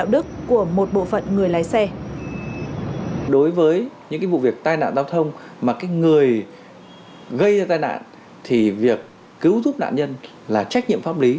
đối với những vụ việc tai nạn giao thông mà người gây tai nạn thì việc cứu giúp nạn nhân là trách nhiệm pháp lý